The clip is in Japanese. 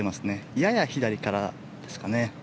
やや左からですかね。